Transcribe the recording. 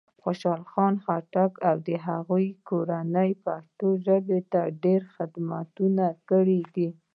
خوشال خان خټک او د هغه کورنۍ پښتو ژبې ته ډېر خدمتونه کړي دی.